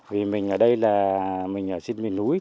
vì mình ở đây là sinh viên núi